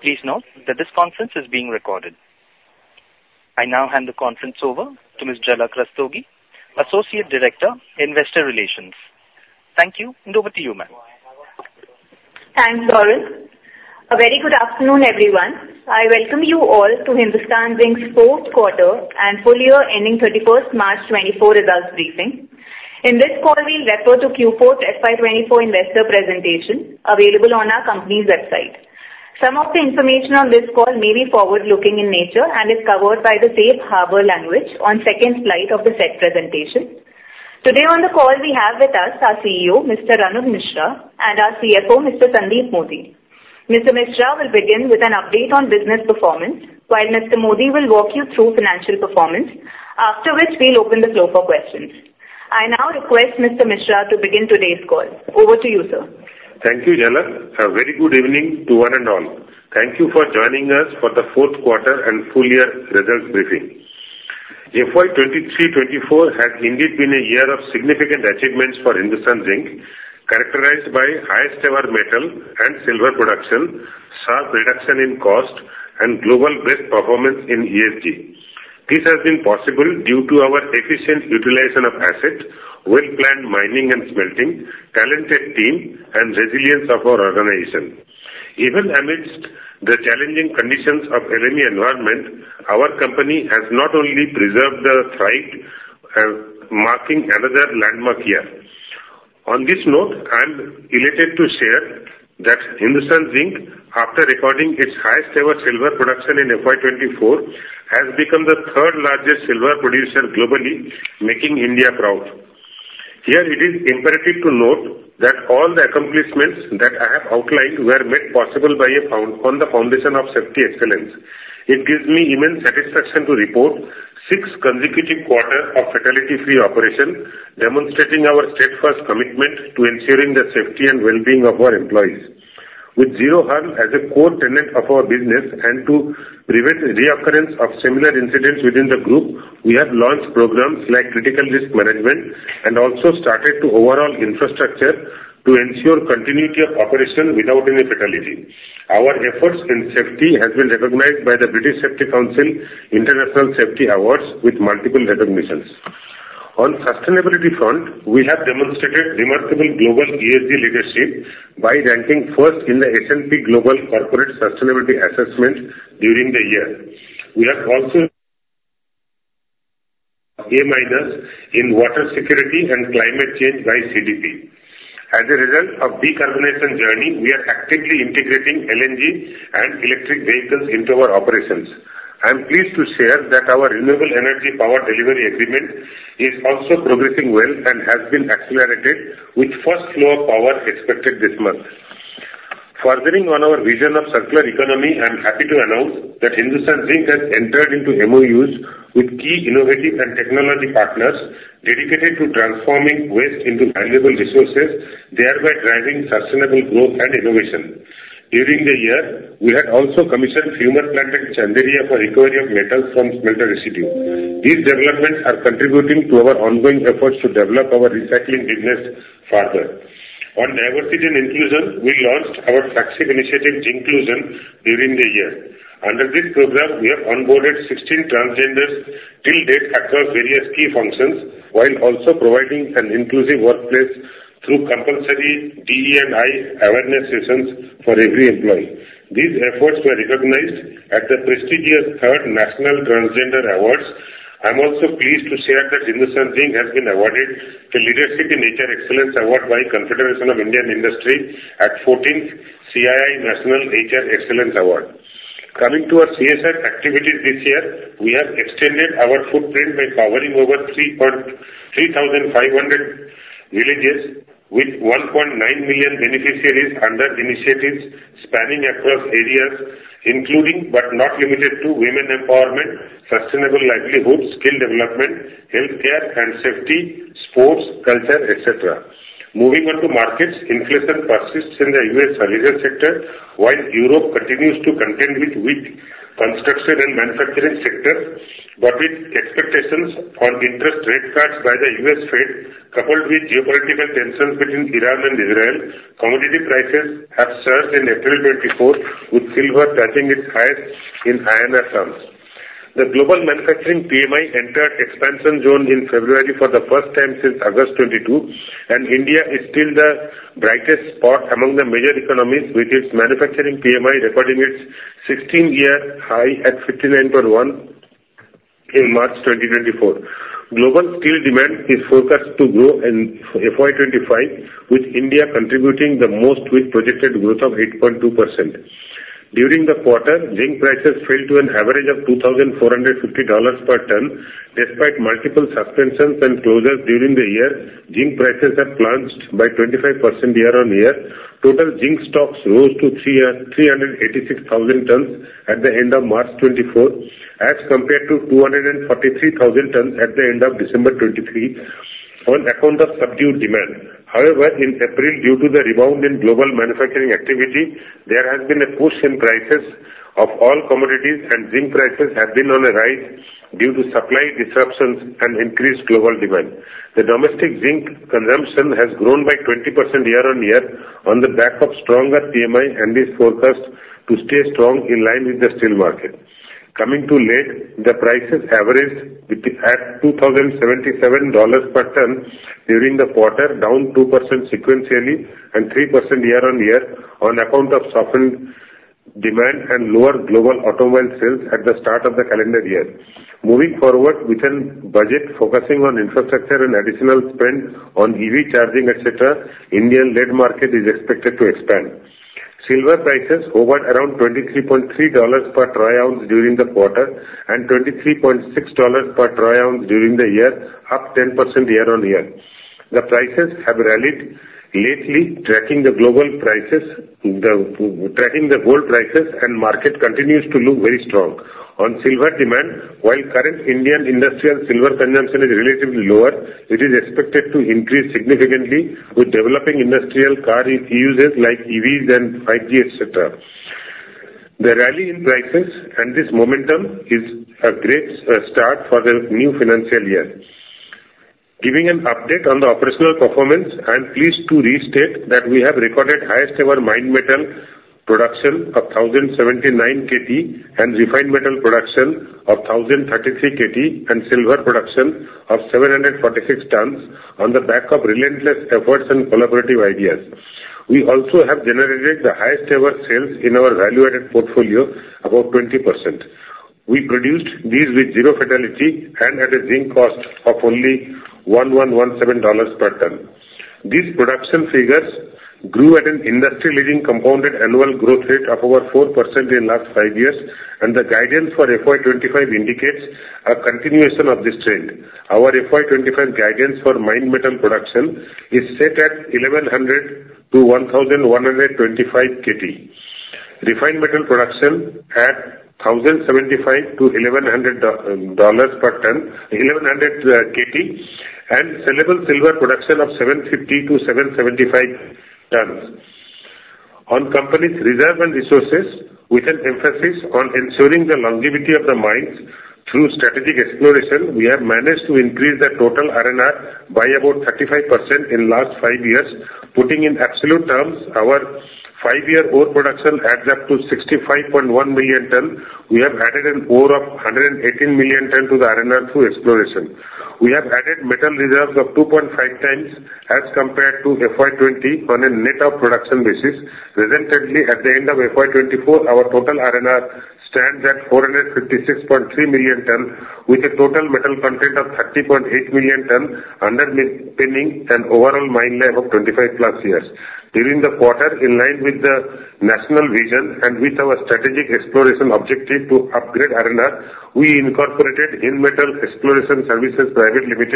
Please note that this conference is being recorded. I now hand the conference over to Ms. Jhalak Rastogi, Associate Director, Investor Relations. Thank you, and over to you, ma'am. Thanks, Doris. A very good afternoon, everyone. I welcome you all to Hindustan Zinc's Fourth Quarter and Full Year ending 31st March 2024 results briefing. In this call, we'll refer to Q4 FY24 Investor Presentation available on our company's website. Some of the information on this call may be forward-looking in nature and is covered by the safe harbor language on the second slide of the said presentation. Today on the call, we have with us our CEO, Mr. Arun Misra, and our CFO, Mr. Sandeep Modi. Mr. Misra will begin with an update on business performance, while Mr. Modi will walk you through financial performance, after which we'll open the floor for questions. I now request Mr. Misra to begin today's call. Over to you, sir. Thank you, Jhalak. A very good evening to one and all. Thank you for joining us for the Fourth Quarter and Full Year Results briefing. FY 2023-2024 has indeed been a year of significant achievements for Hindustan Zinc, characterized by highest-ever metal and silver production, sharp reduction in cost, and global best performance in ESG. This has been possible due to our efficient utilization of assets, well-planned mining and smelting, talented team, and resilience of our organization. Even amidst the challenging conditions of LME environment, our company has not only preserved its stride, marking another landmark year. On this note, I'm elated to share that Hindustan Zinc, after recording its highest-ever silver production in FY24, has become the third-largest silver producer globally, making India proud. Here, it is imperative to note that all the accomplishments that I have outlined were made possible on the foundation of safety excellence. It gives me immense satisfaction to report six consecutive quarters of fatality-free operation, demonstrating our steadfast commitment to ensuring the safety and well-being of our employees. With Zero Harm as a core tenet of our business and to prevent reoccurrence of similar incidents within the group, we have launched programs like Critical Risk Management and also started overall infrastructure to ensure continuity of operation without any fatality. Our efforts in safety have been recognized by the British Safety Council International Safety Awards with multiple recognitions. On sustainability front, we have demonstrated remarkable global ESG leadership by ranking first in the S&P Global Corporate Sustainability Assessment during the year. We have also A- in water security and climate change by CDP. As a result of the decarbonization journey, we are actively integrating LNG and electric vehicles into our operations. I'm pleased to share that our renewable energy Power Delivery Agreement is also progressing well and has been accelerated with first flow of power expected this month. Furthering on our vision of circular economy, I'm happy to announce that Hindustan Zinc has entered into MoUs with key innovative and technology partners dedicated to transforming waste into valuable resources, thereby driving sustainable growth and innovation. During the year, we had also Commissioned Fumer Plant in Chanderiya for recovery of metals from smelter residue. These developments are contributing to our ongoing efforts to develop our recycling business further. On diversity and inclusion, we launched our flagship initiative Zinclusion during the year. Under this program, we have onboarded 16 transgenders till date across various key functions, while also providing an inclusive workplace through compulsory DE&I awareness sessions for every employee. These efforts were recognized at the prestigious 3rd National Transgender Awards. I'm also pleased to share that Hindustan Zinc has been awarded the Leadership in HR Excellence Award by Confederation of Indian Industry at the 14th CII National HR Excellence Award. Coming to our CSR activities this year, we have extended our footprint by covering over 3,500 villages with 1.9 million beneficiaries under initiatives spanning across areas including but not limited to women empowerment, sustainable livelihoods, skill development, healthcare, and safety, sports, culture, etc. Moving on to markets, inflation persists in the U.S. services sector, while Europe continues to contend with weak construction and manufacturing sectors. But with expectations on interest rate cuts by the U.S. Fed, coupled with geopolitical tensions between Iran and Israel, commodity prices have surged in April 2024, with silver touching its highest in INR terms. The global Manufacturing PMI entered expansion zone in February for the first time since August 2022, and India is still the brightest spot among the major economies, with its Manufacturing PMI recording its 16-year high at 59.1 in March 2024. Global steel demand is forecast to grow in FY 2025, with India contributing the most with projected growth of 8.2%. During the quarter, zinc prices fell to an average of $2,450 per ton. Despite multiple suspensions and closures during the year, zinc prices have plunged by 25% year-on-year. Total zinc stocks rose to 386,000 tons at the end of March 2024, as compared to 243,000 tons at the end of December 2023 on account of subdued demand. However, in April, due to the rebound in global manufacturing activity, there has been a push in prices of all commodities, and zinc prices have been on a rise due to supply disruptions and increased global demand. The domestic zinc consumption has grown by 20% year-over-year on the back of stronger PMI and is forecast to stay strong in line with the steel market. Coming to lead, the prices averaged at $2,077 per ton during the quarter, down two percent sequentially and three percent year-over-year on account of softened demand and lower global automobile sales at the start of the calendar year. Moving forward, with a budget focusing on infrastructure and additional spend on EV charging, etc., the Indian lead market is expected to expand. Silver prices hovered around $23.3 per troy ounce during the quarter and $23.6 per troy ounce during the year, up 10% year-over-year. The prices have rallied lately, tracking the gold prices, and the market continues to look very strong. On silver demand, while current Indian industrial silver consumption is relatively lower, it is expected to increase significantly with developing industrial car uses like EVs and 5G, etc. The rally in prices and this momentum is a great start for the new financial year. Giving an update on the operational performance, I'm pleased to restate that we have recorded highest-ever mine metal production of 1,079 KT and refined metal production of 1,033 KT and silver production of 746 tons on the back of relentless efforts and collaborative ideas. We also have generated the highest-ever sales in our value-added portfolio, about 20%. We produced these with zero fatality and at a zinc cost of only $1,117 per ton. These production figures grew at an industry-leading compounded annual growth rate of over four percent in the last five years, and the guidance for FY 2025 indicates a continuation of this trend. Our FY 2025 guidance for mine metal production is set at 1,100 KT-1,125 KT, refined metal production at $1,075-$1,100 per ton, and sellable silver production of 750-775 tons. On companies' reserve and resources, with an emphasis on ensuring the longevity of the mines through strategic exploration, we have managed to increase the total R&R by about 35% in the last five years. Putting in absolute terms, our five-year ore production adds up to 65.1 million tons. We have added an ore of 118 million tons to the R&R through exploration. We have added metal reserves of 2.5x as compared to FY 2020 on a net-of-production basis. Presently, at the end of FY24, our total R&R stands at 456.3 million tons, with a total metal content of 30.8 million tons underpinning an overall mine life of 25+ years. During the quarter, in line with the national vision and with our strategic exploration objective to upgrade R&R, we incorporated Hindmetal Exploration Services Pvt Ltd.,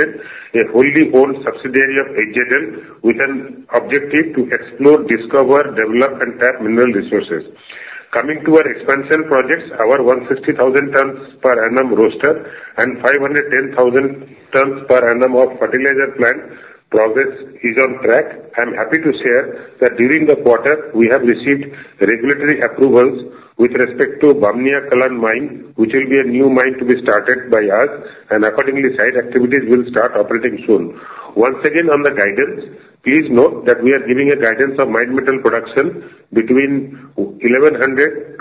a wholly owned subsidiary of HZL, with an objective to explore, discover, develop, and tap mineral resources. Coming to our expansion projects, our 160,000 tons per annum roaster and 510,000 tons per annum of fertilizer plant progress is on track. I'm happy to share that during the quarter, we have received regulatory approvals with respect to Bamnia Kalan Mine, which will be a new mine to be started by us, and accordingly, site activities will start operating soon. Once again, on the guidance, please note that we are giving a guidance of mine metal production between 1,100,000-1,125,000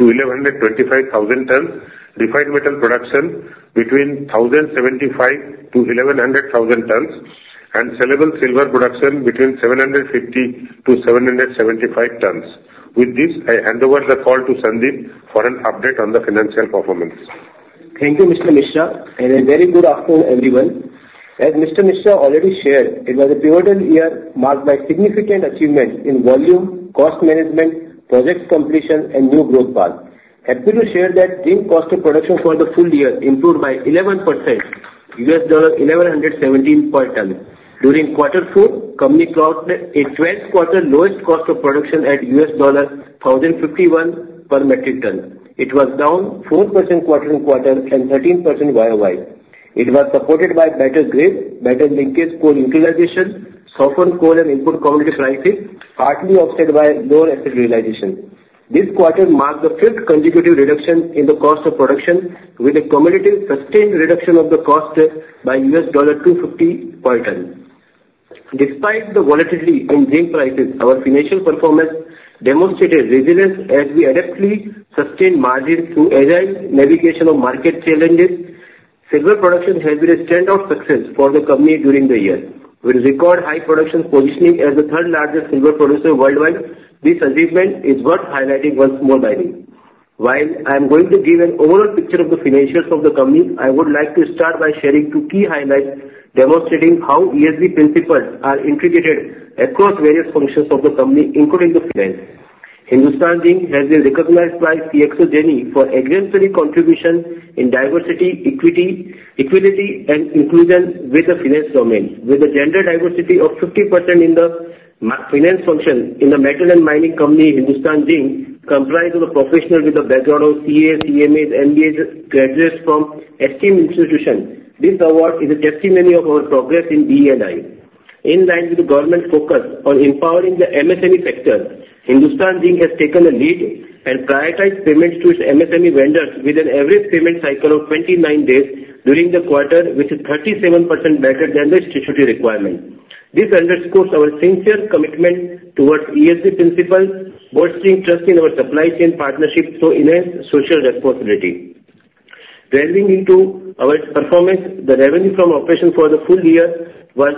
tons, refined metal production between 1,075,000-1,100,000 tons, and sellable silver production between 750-775 tons. With this, I hand over the call to Sandeep for an update on the financial performance. Thank you, Mr. Misra, and a very good afternoon, everyone. As Mr. Misra already shared, it was a pivotal year marked by significant achievements in volume, cost management, project completion, and new growth paths. Happy to share that zinc cost of production for the full year improved by 11%, $1,117 per ton. During quarter four, company crossed a 12th quarter lowest cost of production at $1,051 per metric ton. It was down four percent quarter-on-quarter and 13% year-on-year. It was supported by better grid, better linkage coal utilization, softened coal and input commodity prices, partly offset by lower asset utilization. This quarter marked the fifth consecutive reduction in the cost of production, with a commodity sustained reduction of the cost by $250 per ton. Despite the volatility in zinc prices, our financial performance demonstrated resilience as we adeptly sustained margins through agile navigation of market challenges. Silver production has been a standout success for the company during the year. With record high production positioning as the third-largest silver producer worldwide, this achievement is worth highlighting once more, by me. While I'm going to give an overall picture of the financials of the company, I would like to start by sharing two key highlights demonstrating how ESG principles are integrated across various functions of the company, including the finance. Hindustan Zinc has been recognized by CXO Genie for exemplary contributions in diversity, equality, and inclusion with the finance domain, with a gender diversity of 50% in the finance function. In the metal and mining company, Hindustan Zinc comprises a professional with a background of CA, CMAs, MBAs, graduates from esteemed institutions. This award is a testimony of our progress in DE&I. In line with the government's focus on empowering the MSME sector, Hindustan Zinc has taken a lead and prioritized payments to its MSME vendors with an average payment cycle of 29 days during the quarter, which is 37% better than the institutional requirements. This underscores our sincere commitment towards ESG principles, bolstering trust in our supply chain partnerships to enhance social responsibility. Delving into our performance, the revenue from operations for the full year was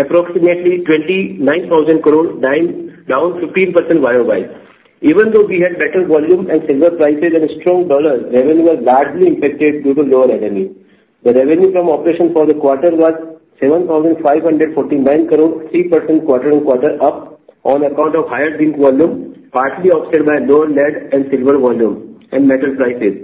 approximately 29,000 crore, down 15% year-on-year. Even though we had better volume and silver prices and strong dollars, revenue was largely impacted due to lower revenue. The revenue from operations for the quarter was 7,549 crore, three percent quarter-on-quarter up on account of higher zinc volume, partly offset by lower lead and silver volume and metal prices.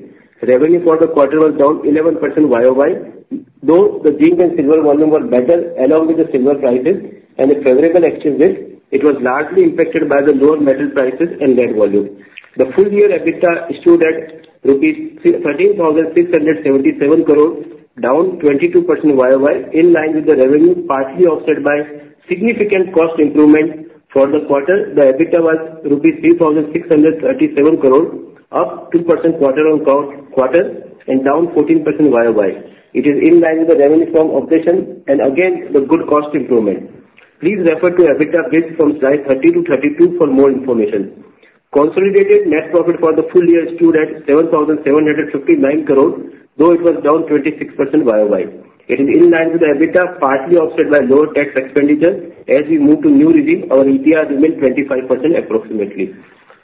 Revenue for the quarter was down 11% year-over-year, though the zinc and silver volume were better along with the silver prices and a favorable exchange rate. It was largely impacted by the lower metal prices and lead volume. The full-year EBITDA stood at rupees 13,677 crore, down 22% year-over-year, in line with the revenue, partly offset by significant cost improvement. For the quarter, the EBITDA was INR 3,637 crore, up two percent quarter-over-quarter and down 14% year-over-year. It is in line with the revenue from operations and, again, the good cost improvement. Please refer to EBITDA grid from slide 30-32 for more information. Consolidated net profit for the full year stood at 7,759 crore, though it was down 26% year-over-year. It is in line with the EBITDA, partly offset by lower tax expenditure. As we move to new regime, our ETR remained 25% approximately.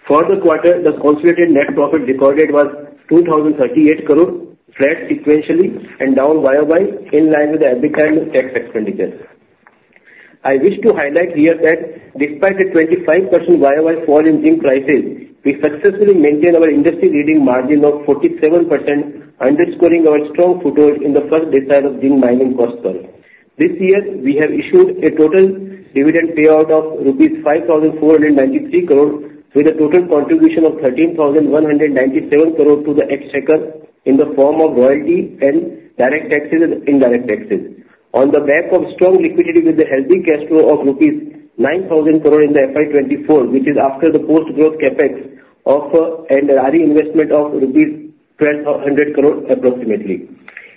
For the quarter, the consolidated net profit recorded was 2,038 crore, flat sequentially and down year-on-year, in line with the EBITDA and tax expenditure. I wish to highlight here that despite a 25% year-on-year fall in zinc prices, we successfully maintained our industry-leading margin of 47%, underscoring our strong foothold in the first decile of zinc mining cost curve. This year, we have issued a total dividend payout of 5,493 crore rupees, with a total contribution of 13,197 crore to the exchequer in the form of royalty and direct taxes and indirect taxes. On the back of strong liquidity with a healthy cash flow of rupees 9,000 crore in the FY24, which is after the post-growth CapEx and R&R investment of rupees 1,200 crore approximately.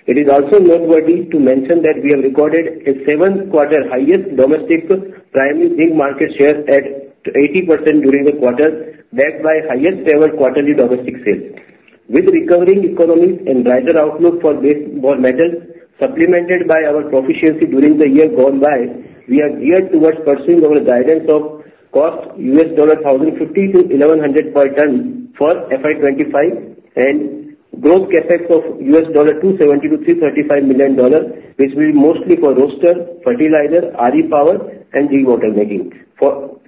It is also noteworthy to mention that we have recorded a seventh-quarter highest domestic primary zinc market share at 80% during the quarter, backed by highest-ever quarterly domestic sales. With recovering economies and brighter outlook for base metal, supplemented by our proficiency during the year gone by, we are geared towards pursuing our guidance of cost $1,050-$1,100 per ton for FY 2025 and growth CapEx of $270 million-$335 million, which will be mostly for roaster, fertilizer, RE power, and Zinc water making, while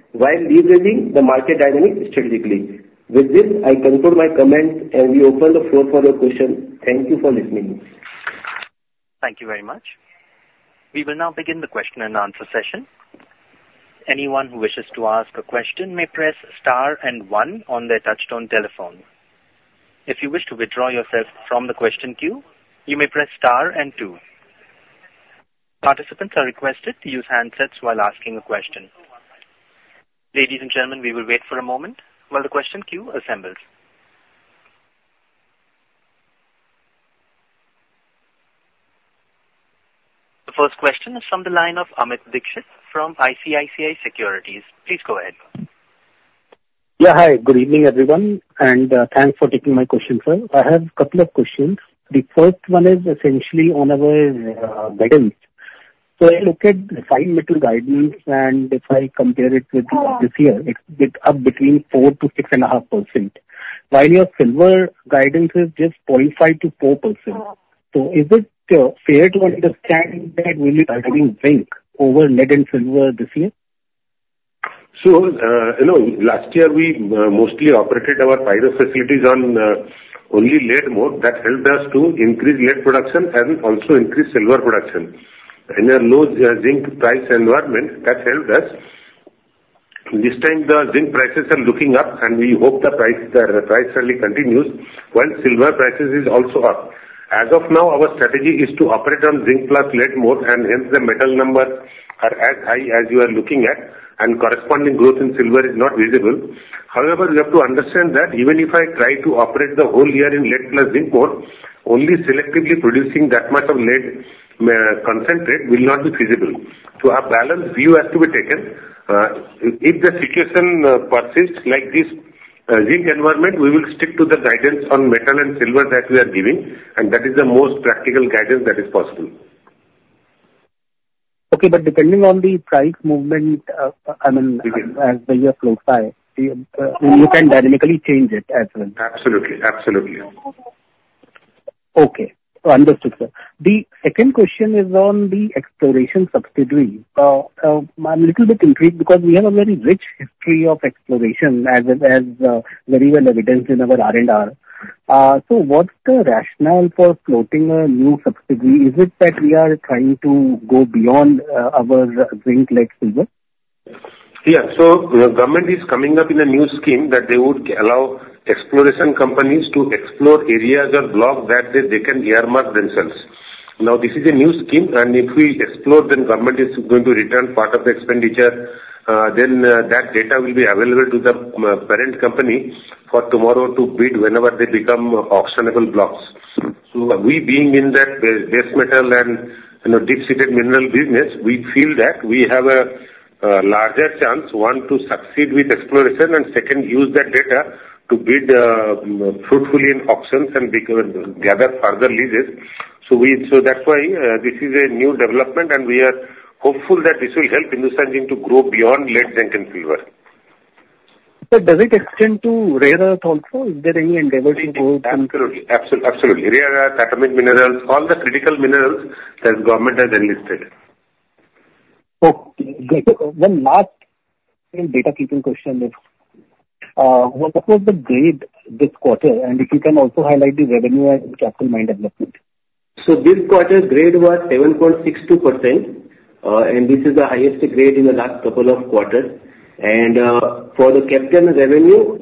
leveraging the market dynamics strategically. With this, I conclude my comments, and we open the floor for your questions. Thank you for listening. Thank you very much. We will now begin the question-and-answer session. Anyone who wishes to ask a question may press star and one on their touch-tone telephone. If you wish to withdraw yourself from the question queue, you may press star and two. Participants are requested to use handsets while asking a question. Ladies and gentlemen, we will wait for a moment while the question queue assembles. The first question is from the line of Amit Dixit from ICICI Securities. Please go ahead. Yeah, hi. Good evening, everyone, and thanks for taking my question, sir. I have a couple of questions. The first one is essentially on our guidance. So I look at the fine metal guidance, and if I compare it with this year, it's up between four to 6.5%. While your silver guidance is just 0.5%-4%, so is it fair to understand that we'll be targeting zinc over lead and silver this year? So, no. Last year, we mostly operated our pyro facilities on only lead ore. That helped us to increase lead production and also increase silver production. In a low zinc price environment, that helped us. This time, the zinc prices are looking up, and we hope the prices really continue while silver prices are also up. As of now, our strategy is to operate on zinc plus lead ore, and hence, the metal numbers are as high as you are looking at, and corresponding growth in silver is not visible. However, we have to understand that even if I try to operate the whole year in lead plus zinc ore, only selectively producing that much of lead concentrate will not be feasible. So a balanced view has to be taken. If the situation persists like this zinc environment, we will stick to the guidance on metal and silver that we are giving, and that is the most practical guidance that is possible. Okay, but depending on the price movement, I mean, as the year flows by, you can dynamically change it as well. Absolutely. Absolutely. Okay. Understood, sir. The second question is on the exploration subsidiary. I'm a little bit intrigued because we have a very rich history of exploration, as is very well evidenced in our R&R. So what's the rationale for floating a new subsidiary? Is it that we are trying to go beyond our zinc, lead, silver? Yeah. So the government is coming up with a new scheme that they would allow exploration companies to explore areas or blocks that they can earmark themselves. Now, this is a new scheme, and if we explore, then government is going to return part of the expenditure. Then that data will be available to the parent company for tomorrow to bid whenever they become auctionable blocks. So we being in that base metal and deep-seated mineral business, we feel that we have a larger chance, one, to succeed with exploration, and second, use that data to bid fruitfully in auctions and gather further leases. So that's why this is a new development, and we are hopeful that this will help Hindustan Zinc to grow beyond lead, zinc, and silver. Does it extend to rare earth also? Is there any endeavor to go to? Yeah. Absolutely. Absolutely. Absolutely. Rare earth, atomic minerals, all the critical minerals that the government has enlisted. Okay. One last housekeeping question is, what was the grade this quarter? And if you can also highlight the revenue and CapEx mine development. This quarter, grade was 7.62%, and this is the highest grade in the last couple of quarters. For the capital revenue,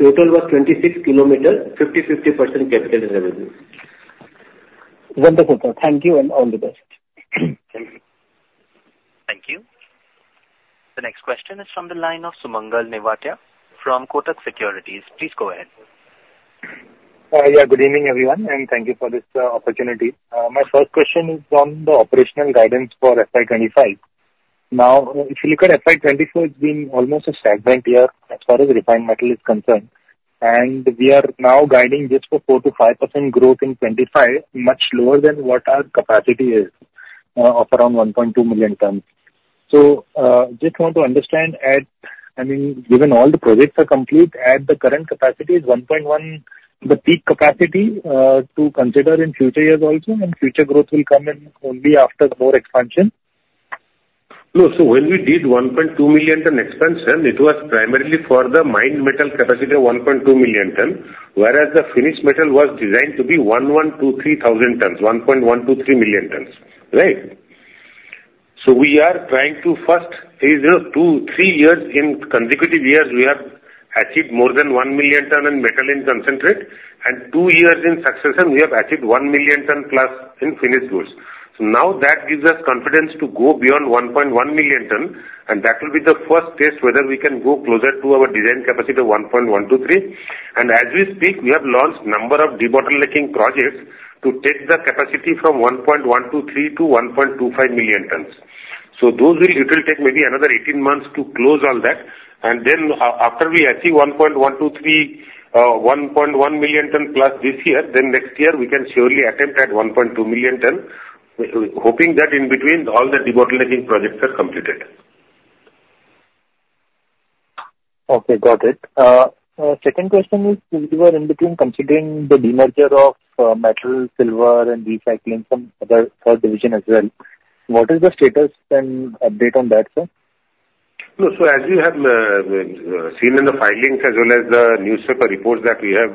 total was 26 kilometers. 50%-50% capital revenue. Wonderful, sir. Thank you, and all the best. Thank you. The next question is from the line of Sumangal Nevatia from Kotak Securities. Please go ahead. Yeah. Good evening, everyone, and thank you for this opportunity. My first question is on the operational guidance for FY 2025. Now, if you look at FY 2024, it's been almost a stagnant year as far as refined metal is concerned. And we are now guiding just for four to five percent growth in 2025, much lower than what our capacity is of around 1.2 million tons. So just want to understand, I mean, given all the projects are complete, at the current capacity, is 1.1 the peak capacity to consider in future years also, and future growth will come in only after more expansion? No. So when we did 1.2 million ton expansion, it was primarily for the mine metal capacity of 1.2 million ton, whereas the finished metal was designed to be 1,123,000 tons, 1.123 million tons, right? So we are trying to first, three years in consecutive years, we have achieved more than 1 million ton in metal in concentrate, and two years in succession, we have achieved 1 million ton plus in finished goods. So now that gives us confidence to go beyond 1.1 million ton, and that will be the first test whether we can go closer to our design capacity of 1.123. And as we speak, we have launched a number of de-bottlenecking projects to take the capacity from 1.123 million-1.25 million tons. So it will take maybe another 18 months to close all that. And then after we achieve 1.123, 1.1 million ton plus this year, then next year, we can surely attempt at 1.2 million ton, hoping that in between, all the de-bottlenecking projects are completed. Okay. Got it. Second question is, since you were in between considering the demerger of metal, silver, and recycling from the third division as well, what is the status and update on that, sir? No. So as you have seen in the filings as well as the newspaper reports that we have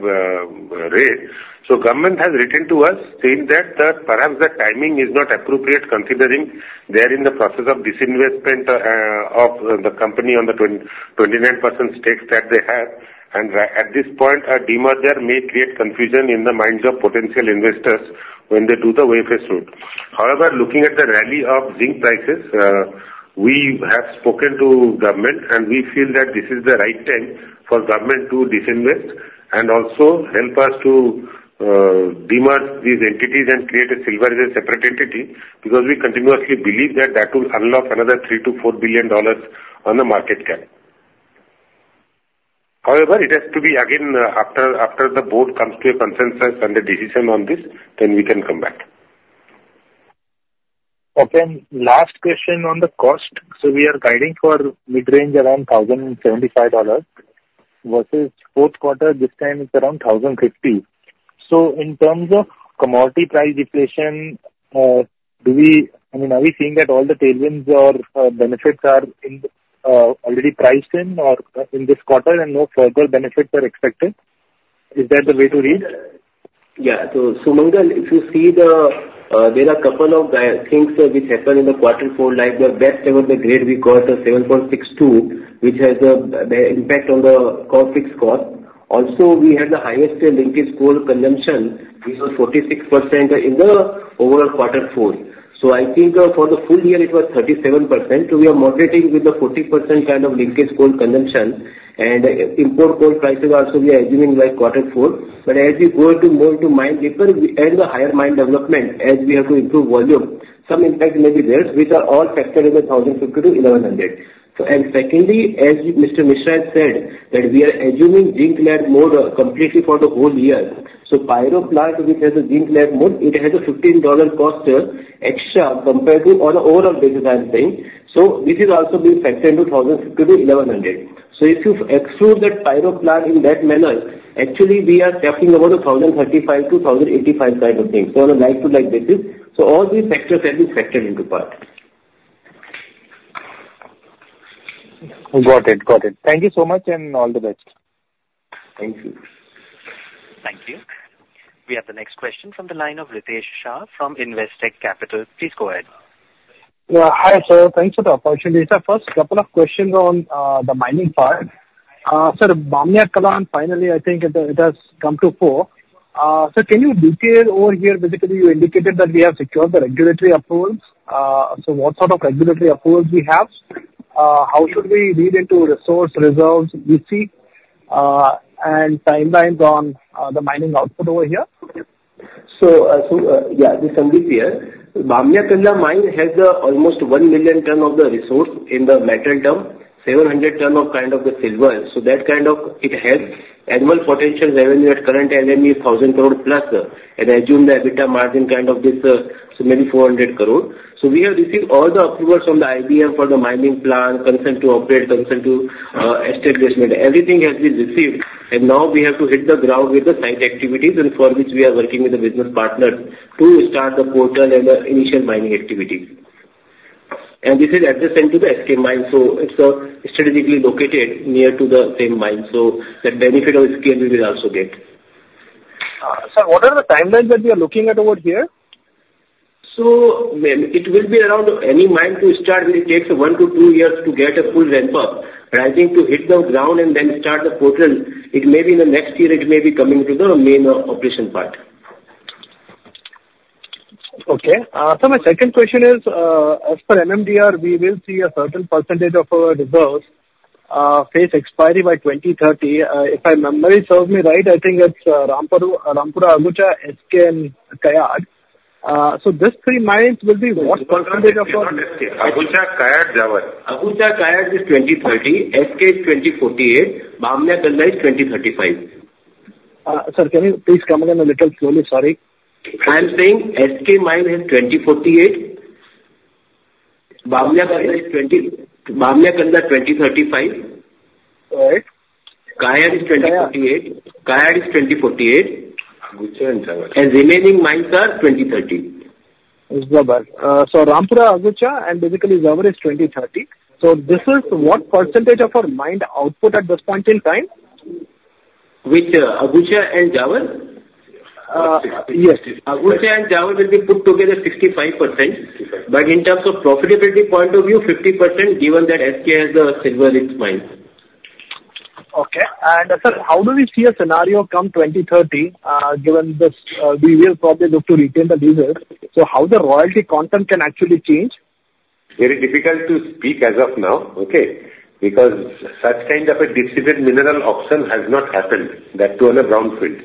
read, so government has written to us saying that perhaps the timing is not appropriate considering they are in the process of disinvestment of the company on the 29% stakes that they have. And at this point, a demerger may create confusion in the minds of potential investors when they do the OFS route. However, looking at the rally of zinc prices, we have spoken to government, and we feel that this is the right time for government to disinvest and also help us to demerge these entities and create a silver as a separate entity because we continuously believe that that will unlock another $3 billion-$4 billion on the market cap. However, it has to be, again, after the board comes to a consensus and a decision on this, then we can come back. Okay. Last question on the cost. So we are guiding for mid-range around $1,075 versus fourth quarter. This time, it's around $1,050. So in terms of commodity price inflation, do we I mean, are we seeing that all the tailwinds or benefits are already priced in or in this quarter and no further benefits are expected? Is that the way to read? Yeah. So Sumangal, if you see, there are a couple of things which happened in the quarter four. The best ever grade we got was 7.62, which has an impact on the core fixed cost. Also, we had the highest linkage coal consumption. This was 46% in the overall quarter four. So I think for the full year, it was 37%. So we are moderating with the 40% kind of linkage coal consumption. And import coal prices also, we are assuming by quarter four. But as we go more to mine deeper and the higher mine development, as we have to improve volume, some impact may be there, which are all factored in the 1,050-1,100. And secondly, as Mr. Misra had said, that we are assuming zinc lead mode completely for the whole year. So Pyro Plant which has a zinc lead mode, it has a $15 cost extra compared to on the overall basis, I'm saying. So this is also being factored into $1,050-$1,100. So if you exclude that Pyro Plant in that manner, actually, we are talking about a $1,035-$1,085 kind of thing on a like-to-like basis. So all these factors have been factored into part. Got it. Got it. Thank you so much, and all the best. Thank you. Thank you. We have the next question from the line of Ritesh Shah from Investec Capital. Please go ahead. Hi, sir. Thanks for the opportunity. Sir, first, a couple of questions on the mining part. Sir, Bamnia Kalan, finally, I think it has come to four. Sir, can you detail over here? Basically, you indicated that we have secured the regulatory approvals. So what sort of regulatory approvals do we have? How should we read into resource reserves we see and timelines on the mining output over here? So, yeah, this can be clear. Bamnia Kalan mine has almost 1 million tons of the resource in the metal term, 700 tons of kind of the silver. So that kind of it has annual potential revenue at current LME, 1,000 crore plus, and assume the EBITDA margin kind of this, so maybe 400 crore. So we have received all the approvals from the IBM for the mining plant, consent to operate, consent to establish. Everything has been received. And now, we have to hit the ground with the site activities for which we are working with the business partners to start the portal and the initial mining activities. And this is adjacent to the SK mine. So it's strategically located near to the same mine. So that benefit of SK, we will also get. Sir, what are the timelines that we are looking at over here? So it will be around any mine to start. It takes one to two years to get a full ramp-up. But I think to hit the ground and then start the portal, it may be in the next year, it may be coming to the main operation part. Okay. Sir, my second question is, as per MMDR, we will see a certain percentage of our reserves face expiry by 2030. If my memory serves me right, I think it's Rampura Agucha, SK, and Kayad. So these three mines will be what percentage of our? Rampura Agucha, Kayad, Zawar. Agucha, Kayad is 2030. SK is 2048. Bamnia Kalan is 2035. Sir, can you please come again a little slowly? Sorry. I'm saying SK mine is 2048. Bamnia Kalan is 2035. All right. Kayad is 2048. Kayad is 2048. Remaining mines are 2030. So Rampura Agucha, and basically, Zawar is 2030. So this is what percentage of our mine output at this point in time? Which? Agucha and Zawar? Yes. Agucha and Zawar will be put together 65%. But in terms of profitability point of view, 50% given that SK has the silver in its mines. Okay. Sir, how do we see a scenario come 2030 given that we will probably look to retain the leases? How the royalty content can actually change? Very difficult to speak as of now, okay, because such kind of a distributed mineral auction has not happened to another brownfield.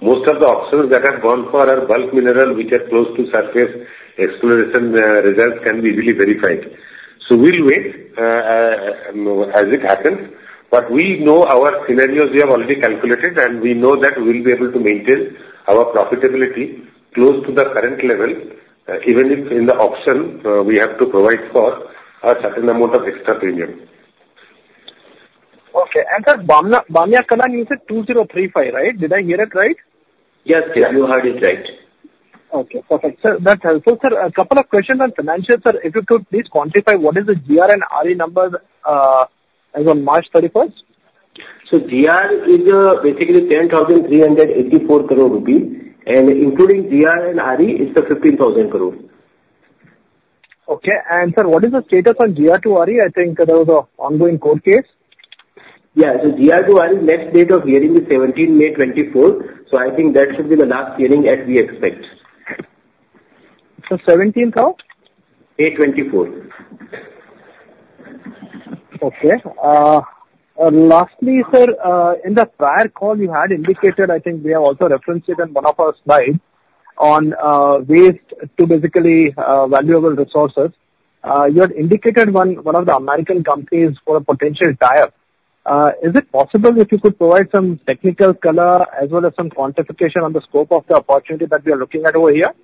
Most of the auctions that have gone for are bulk mineral which are close to surface exploration results can be easily verified. So we'll wait as it happens. But we know our scenarios. We have already calculated, and we know that we'll be able to maintain our profitability close to the current level even if in the auction, we have to provide for a certain amount of extra premium. Okay. And sir, Bamnia Kalan until 2035, right? Did I hear it right? Yes, yes. You heard it right. Okay. Perfect. Sir, that's helpful, sir. A couple of questions on financials, sir. If you could please quantify, what is the GR and RE number as on March 31st? GR is basically 10,384 crore rupees. Including GR and RE, it's 15,000 crore. Okay. And sir, what is the status on GR to RE? I think there was an ongoing court case. Yeah. So GR to RE, next date of hearing is 17th May 2024. So I think that should be the last hearing that we expect. So 17th how? May 2024. Okay. Lastly, sir, in the prior call you had indicated, I think we have also referenced it on one of our slides on waste to basically valuable resources. You had indicated one of the American companies for a potential buyer. Is it possible if you could provide some technical color as well as some quantification on the scope of the opportunity that we are looking at over here?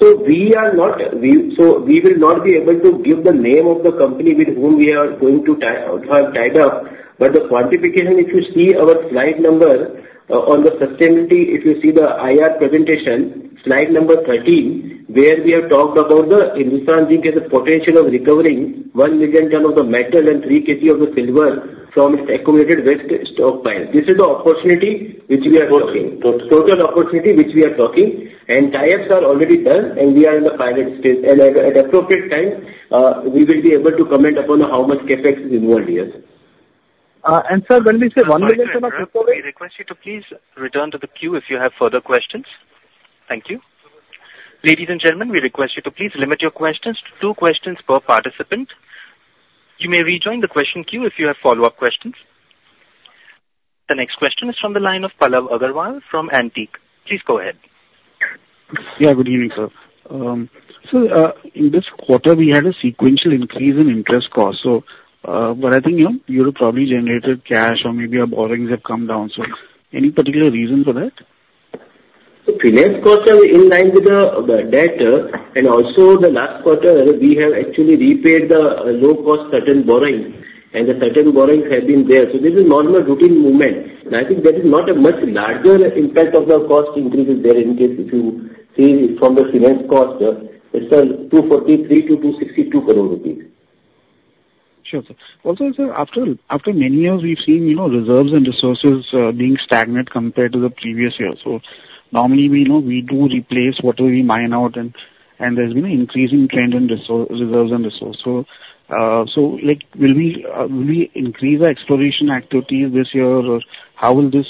So we will not be able to give the name of the company with whom we are going to have tied up. But the quantification, if you see our slide number on the sustainability, if you see the IR presentation, slide number 13, where we have talked about Hindustan Zinc has the potential of recovering 1 million ton of the metal and 3 kg of the silver from its accumulated waste stockpile. This is the opportunity which we are talking, total opportunity which we are talking. And ties are already done, and we are in the pilot stage. And at appropriate time, we will be able to comment upon how much CapEx is involved here. Sir, when we say 1 million ton of. We request you to please return to the queue if you have further questions. Thank you. Ladies and gentlemen, we request you to please limit your questions to two questions per participant. You may rejoin the question queue if you have follow-up questions. The next question is from the line of Pallav Agarwal from Antique. Please go ahead. Yeah. Good evening, sir. So in this quarter, we had a sequential increase in interest costs. But I think Europe probably generated cash or maybe our borrowings have come down. So any particular reason for that? So, finance quarter in line with the debt. And also, the last quarter, we have actually repaid the low-cost short-term borrowing. And the short-term borrowings have been there. So, this is normal routine movement. And I think there is not a much larger impact of the cost increase is there in case if you see it from the finance cost. It's 243 crore-262 crore rupees. Sure, sir. Also, sir, after many years, we've seen reserves and resources being stagnant compared to the previous year. So normally, we do replace whatever we mine out, and there's been an increasing trend in reserves and resources. So will we increase our exploration activity this year, or how will this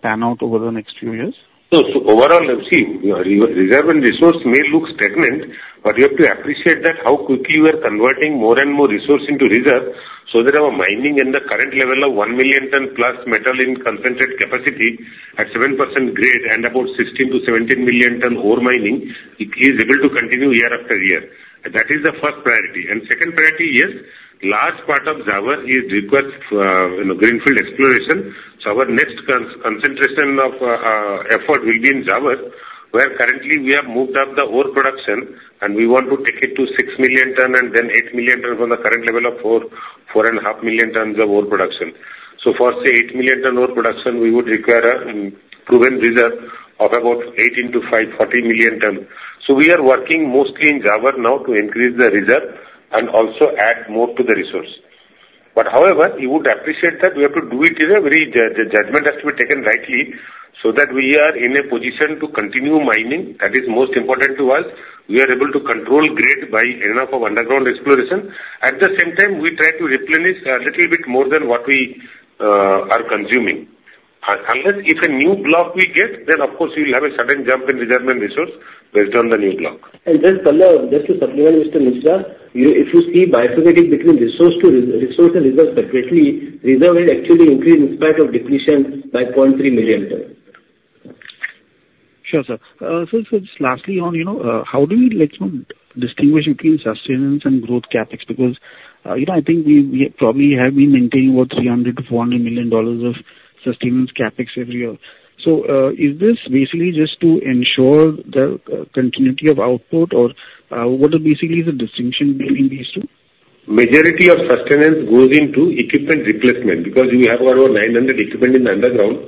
pan out over the next few years? So overall, see, reserve and resource may look stagnant, but you have to appreciate how quickly we are converting more and more resource into reserve. So there are mining in the current level of 1 million ton plus metal in concentrate capacity at seven percent grade and about 16 million-17 million ton ore mining is able to continue year after year. That is the first priority. And second priority, yes, large part of Zawar is requested greenfield exploration. So our next concentration of effort will be in Zawar, where currently, we have moved up the ore production, and we want to take it to 6 million ton and then 8 million ton from the current level of 4.5 million tons of ore production. So for, say, 8 million ton ore production, we would require a proven reserve of about 18 to five, 40 million ton. So we are working mostly in Zawar now to increase the reserve and also add more to the resource. But however, you would appreciate that we have to do it in a very the judgment has to be taken rightly so that we are in a position to continue mining. That is most important to us. We are able to control grade by enough of underground exploration. At the same time, we try to replenish a little bit more than what we are consuming. Unless if a new block we get, then, of course, we will have a sudden jump in reserve and resource based on the new block. And sir, just to supplement, Mr. Misra, if you see bias between resource and reserve separately, reserve will actually increase in spite of depletion by 0.3 million. Sure, sir. So just lastly, how do we distinguish between sustenance and growth CapEx? Because I think we probably have been maintaining about $300 million-$400 million of sustenance CapEx every year. So is this basically just to ensure the continuity of output, or what is basically the distinction between these two? Majority of sustenance goes into equipment replacement because we have about 900 equipment in the underground.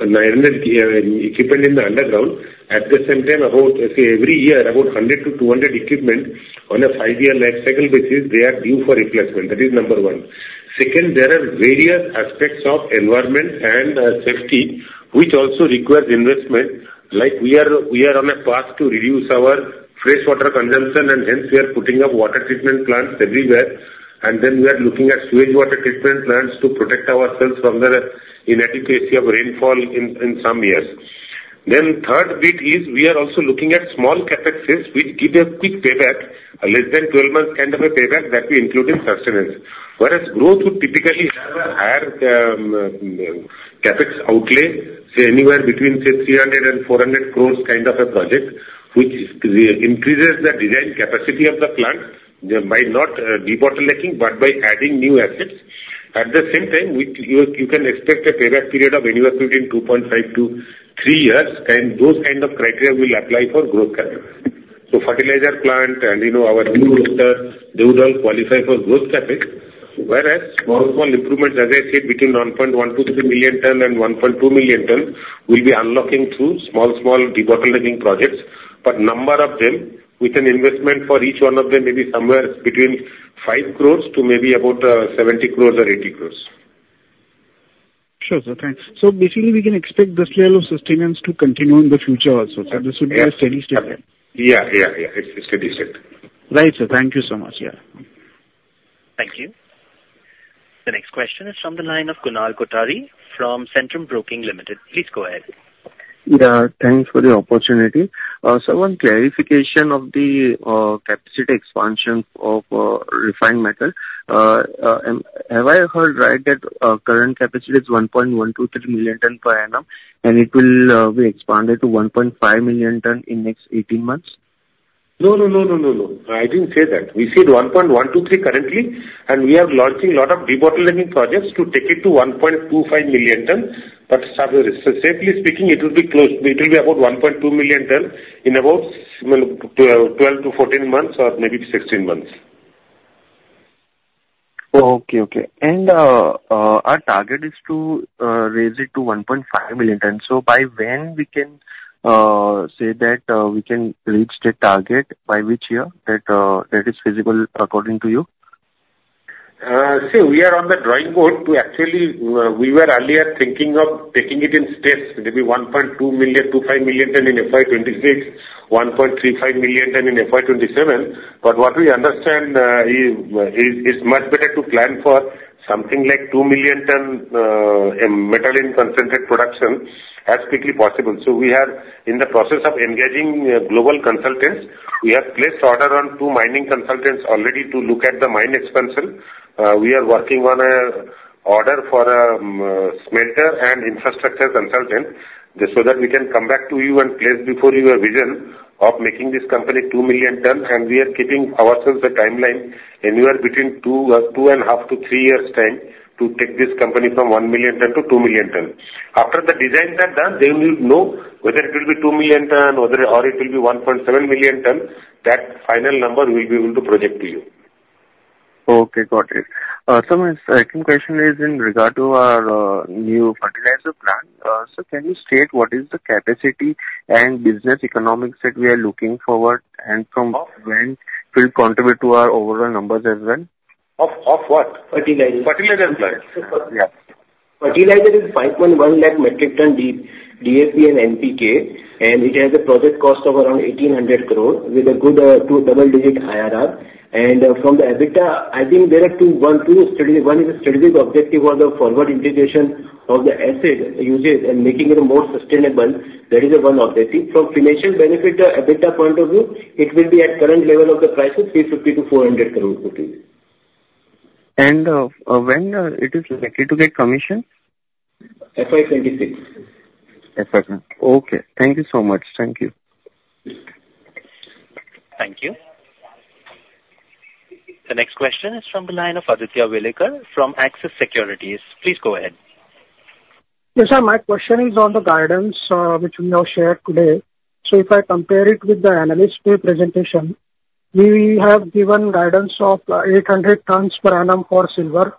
900 equipment in the underground, at the same time, every year, about 100-200 equipment on a 5-year life cycle basis, they are due for replacement. That is number one. Second, there are various aspects of environment and safety which also require investment. We are on a path to reduce our freshwater consumption, and hence, we are putting up water treatment plants everywhere. Then we are looking at sewage water treatment plants to protect ourselves from the inadequacy of rainfall in some years. Then third bit is we are also looking at small CapEx's which give a quick payback, a less than 12 months kind of a payback that we include in sustenance. Whereas growth would typically have a higher CapEx outlay, say, anywhere between, say, 300-400 crore kind of a project which increases the design capacity of the plant by not debottlenecking but by adding new assets. At the same time, you can expect a payback period of anywhere between 2.5 to three years. Those kind of criteria will apply for growth CapEx. So fertilizer plant and our new roaster, they would all qualify for growth CapEx. Whereas small, small improvements, as I said, between 1.1 million-1.3 million ton and 1.2 million ton will be unlocking through small, small debottlenecking projects. But number of them with an investment for each one of them may be somewhere between 5 crore to maybe about 70 crore or 80 crore. Sure, sir. Thanks. So basically, we can expect this level of sustenance to continue in the future also, sir. This would be a steady state. Yeah, yeah, yeah. It's a steady state. Right, sir. Thank you so much. Yeah. Thank you. The next question is from the line of Kunal Kothari from Centrum Broking Limited. Please go ahead. Yeah. Thanks for the opportunity. Sir, one clarification of the capacity expansion of refined metal. Have I heard right that current capacity is 1.123 million ton per annum, and it will be expanded to 1.5 million ton in the next 18 months? No, no, no, no, no, no. I didn't say that. We see 1.123 million currently, and we are launching a lot of dewatering projects to take it to 1.25 million tons. But safely speaking, it will be close. It will be about 1.2 million tons in about 12-14 months or maybe 16 months. Okay, okay. Our target is to raise it to 1.5 million tons. So by when we can say that we can reach the target by which year that is feasible according to you? See, we are on the drawing board to actually we were earlier thinking of taking it in steps, maybe 1.2 million, 2.5 million ton in FY 2026, 1.35 million ton in FY 2027. But what we understand is much better to plan for something like 2 million ton metal in concentrate production as quickly possible. So we are in the process of engaging global consultants. We have placed order on two mining consultants already to look at the mine expansion. We are working on an order for a smelter and infrastructure consultant so that we can come back to you and place before you a vision of making this company 2 million ton. And we are keeping ourselves the timeline anywhere between two and a half to three years' time to take this company from 1 million ton to 2 million ton. After the designs are done, then you know whether it will be 2 million ton or it will be 1.7 million ton. That final number we will be able to project to you. Okay. Got it. Sir, my second question is in regard to our new fertilizer plant. Sir, can you state what is the capacity and business economics that we are looking forward and from when will contribute to our overall numbers as well? Of what? Fertilizer plant? Fertilizer plant. Yeah. Fertilizer is 510,000 metric tons DAP and NPK, and it has a project cost of around 1,800 crore with a good double-digit IRR. And from the EBITDA, I think there are two: one is a strategic objective for the forward integration of the asset usage and making it more sustainable. That is one objective. From financial benefit, EBITDA point of view, it will be at current level of the prices, 350-400 crore rupees. When is it likely to get commissioned? FY 2026. FY 2026. Okay. Thank you so much. Thank you. Thank you. The next question is from the line of Aditya Welekar from Axis Securities. Please go ahead. Yes, sir. My question is on the guidance which we have shared today. If I compare it with the analysts' presentation, we have given guidance of 800 tons per annum for silver.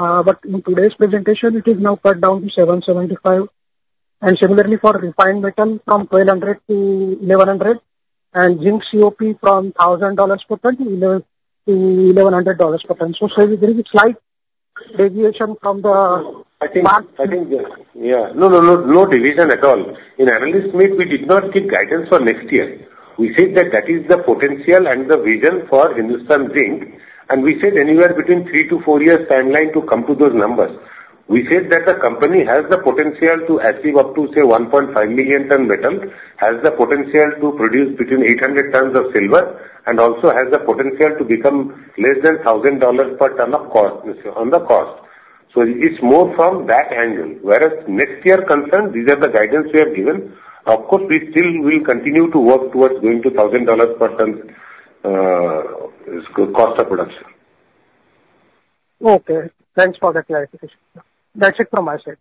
In today's presentation, it is now cut down to 775. Similarly, for refined metal, 1,200-1,100. Zinc COP from $1,000/ton-$1,100/ton. There is a slight deviation from the. I think yes. Yeah. No, no, no. No division at all. In analysts' meet, we did not give guidance for next year. We said that that is the potential and the vision for Hindustan Zinc. And we said anywhere between three to four years' timeline to come to those numbers. We said that the company has the potential to achieve up to, say, 1.5 million ton metal, has the potential to produce between 800 tons of silver, and also has the potential to become less than $1,000 per ton on the cost. So it's more from that angle. Whereas next year concerned, these are the guidance we have given. Of course, we still will continue to work towards going to $1,000 per ton cost of production. Okay. Thanks for the clarification. That's it from my side.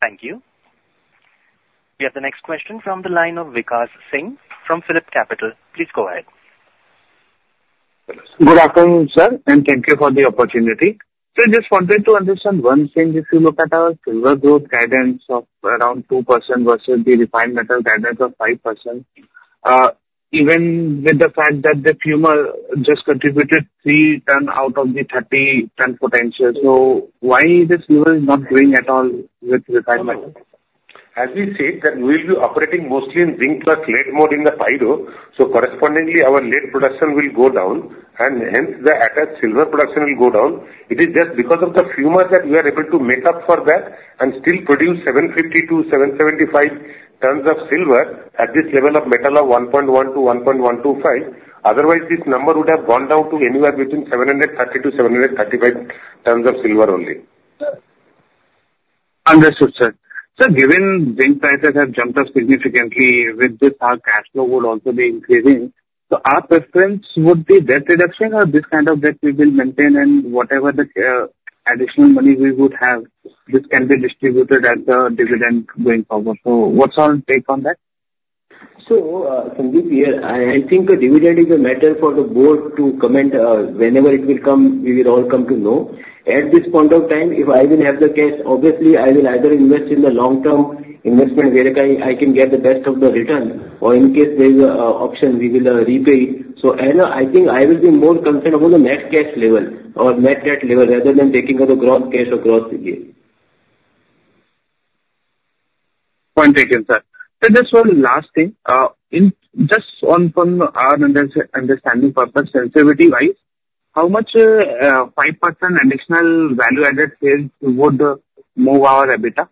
Thank you. We have the next question from the line of Vikash Singh from PhillipCapital. Please go ahead. Good afternoon, sir, and thank you for the opportunity. Sir, just wanted to understand one thing. If you look at our silver growth guidance of around two percent versus the refined metal guidance of five percent, even with the fact that the Fumer just contributed 3 tons out of the 30 tons potential, so why is the silver not growing at all with refined metal? As we said, we will be operating mostly in zinc plus lead mode in the Pyro. So correspondingly, our lead production will go down, and hence, the attached silver production will go down. It is just because of the Fumer that we are able to make up for that and still produce 750-775 tons of silver at this level of metal of 1.1-1.125. Otherwise, this number would have gone down to anywhere between 730-735 tons of silver only. Understood, sir. Sir, given zinc prices have jumped up significantly, with this, our cash flow would also be increasing. So our preference would be debt reduction, or this kind of debt we will maintain, and whatever the additional money we would have, this can be distributed as a dividend going forward. So what's your take on that? So Sandeep, I think dividend is a matter for the board to comment. Whenever it will come, we will all come to know. At this point of time, if I will have the cash, obviously, I will either invest in the long-term investment where I can get the best of the return, or in case there is an option, we will repay. So I think I will be more concerned about the net cash level or net debt level rather than taking out the gross cash or gross yield. Point taken, sir. Sir, just one last thing. Just from our understanding purpose, sensitivity-wise, how much five percent additional value-added sales would move our EBITDA?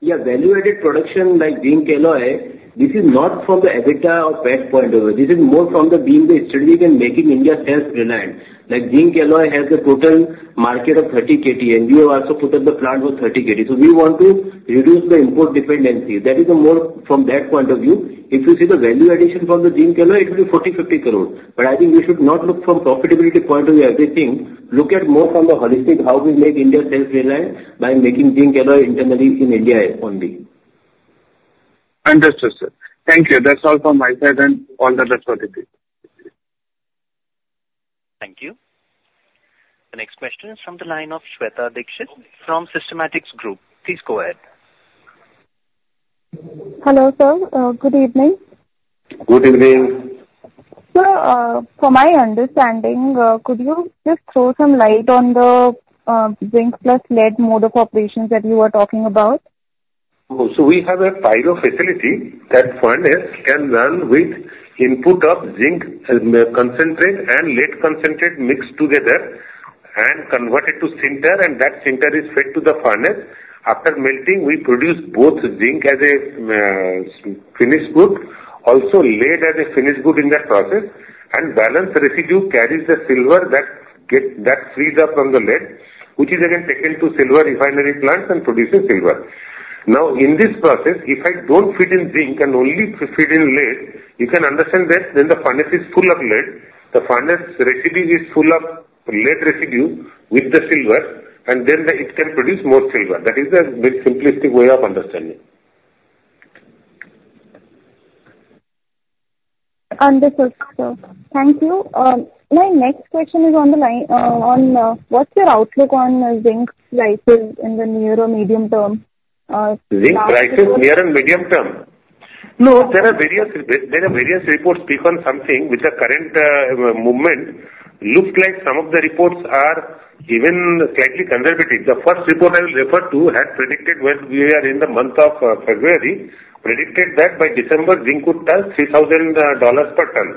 Yeah. Value-added production like zinc alloy, this is not from the EBITDA or PAT point of view. This is more from being the strategy and making India self-reliant. Zinc alloy has a total market of 30 KT, and you have also put up the plant for 30 KT. So we want to reduce the import dependency. That is more from that point of view. If you see the value addition from the zinc alloy, it will be 40 crore-50 crore. But I think we should not look from profitability point of view everything. Look at more from the holistic, how we make India self-reliant by making zinc alloy internally in India only. Understood, sir. Thank you. That's all from my side and all the rest of the team. Thank you. The next question is from the line of Shweta Dikshit from Systematix Group. Please go ahead. Hello, sir. Good evening. Good evening. Sir, from my understanding, could you just throw some light on the zinc plus lead mode of operations that you were talking about? Oh, so we have a Pyro facility that furnace can run with input of zinc concentrate and lead concentrate mixed together and converted to sinter. And that sinter is fed to the furnace. After melting, we produce both zinc as a finished good, also lead as a finished good in that process. And balanced residue carries the silver that frees up from the lead, which is again taken to silver refinery plants and produces silver. Now, in this process, if I don't feed in zinc and only feed in lead, you can understand that then the furnace is full of lead. The furnace residue is full of lead residue with the silver, and then it can produce more silver. That is a very simplistic way of understanding. Understood, sir. Thank you. My next question is on the line. What's your outlook on zinc prices in the near or medium term? Zinc prices near- and medium-term? No, there are various reports that speak on something which the current movement looks like. Some of the reports are even slightly conservative. The first report I will refer to had predicted, when we are in the month of February, predicted that by December, zinc would touch $3,000 per ton.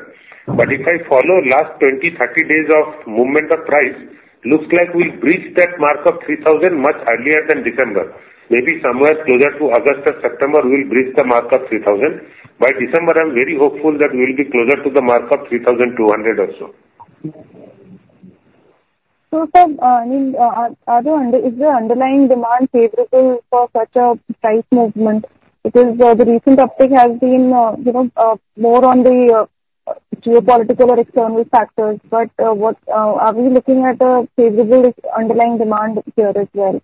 But if I follow the last 20, 30 days of movement of price, it looks like we'll breach that mark of 3,000 much earlier than December. Maybe somewhere closer to August or September, we'll breach the mark of 3,000. By December, I'm very hopeful that we'll be closer to the mark of 3,200 also. Sir, I mean, is the underlying demand favorable for such a price movement? Because the recent uptick has been more on the geopolitical or external factors. But are we looking at a favorable underlying demand here as well?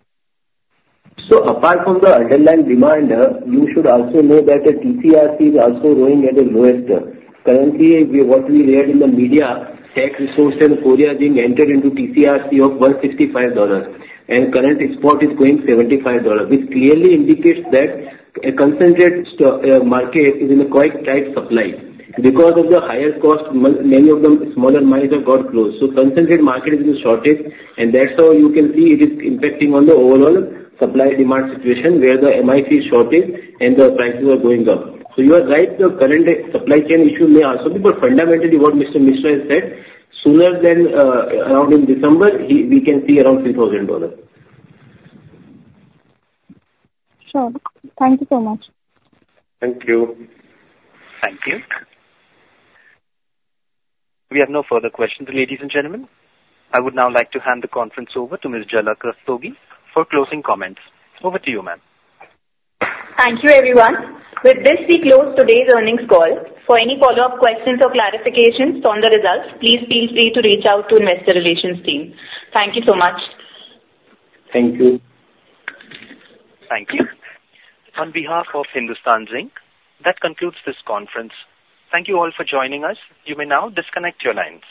So apart from the underlying demand, you should also know that TCRC is also growing at the lowest. Currently, what we read in the media, Teck Resources and Korea Zinc entered into TCRC of $165, and current export is going $75, which clearly indicates that a concentrate market is in a quite tight supply because of the higher cost. Many of the smaller mines have got closed. So concentrate market is in a shortage, and that's how you can see it is impacting on the overall supply-demand situation where the MIC is short and the prices are going up. So you are right. The current supply chain issue may also be, but fundamentally, what Mr. Misra has said, sooner than around in December, we can see around $3,000. Sure. Thank you so much. Thank you. Thank you. We have no further questions, ladies and gentlemen. I would now like to hand the conference over to Ms. Jhalak Rastogi for closing comments. Over to you, ma'am. Thank you, everyone. With this, we close today's earnings call. For any follow-up questions or clarifications on the results, please feel free to reach out to the investor relations team. Thank you so much. Thank you. Thank you. On behalf of Hindustan Zinc, that concludes this conference. Thank you all for joining us. You may now disconnect your lines.